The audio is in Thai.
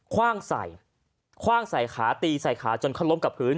คว่างใส่คว่างใส่ขาตีใส่ขาจนเขาล้มกับพื้น